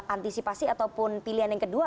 antisipasi ataupun pilihan yang kedua